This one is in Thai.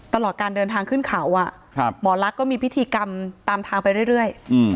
ตลอดการเดินทางขึ้นเขาหมอลักษณ์ก็มีพิธีกรรมตามทางไปเรื่อย